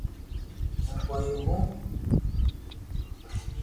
ھون ڪوئي ھووُ